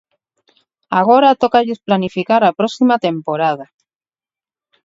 Agora tócalles planificar a próxima temporada.